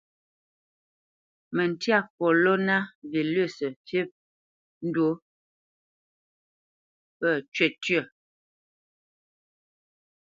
Mǝ́ntya koloná vilʉsǝ fi ndú pǝ́ cywítyǝ́.